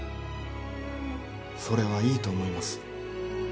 それはいいと思います。